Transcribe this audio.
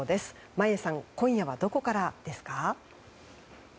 眞家さん今夜はどこからですか？